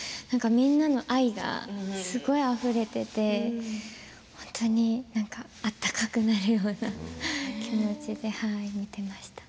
みんなの愛がすごくあふれていて本当に温かくなるような気持ちで見ていました。